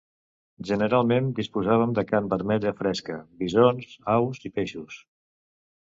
Generalment disposaven de carn vermella fresca, bisons, aus i peixos.